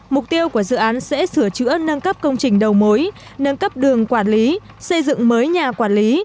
mục tiêu của dự án sẽ sửa chữa nâng cấp công trình đầu mối nâng cấp đường quản lý xây dựng mới nhà quản lý